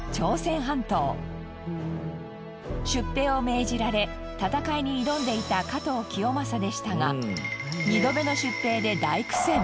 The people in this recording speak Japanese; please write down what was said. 出兵を命じられ戦いに挑んでいた加藤清正でしたが２度目の出兵で大苦戦。